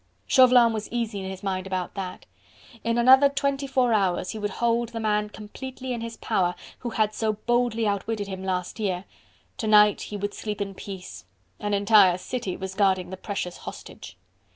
Chauvelin was easy in his mind about that. In another twenty four hours he would hold the man completely in his power who had so boldly outwitted him last year; to night he would sleep in peace: an entire city was guarding the precious hostage.